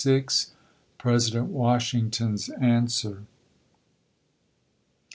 87 President WASIII^'GTON's Answer.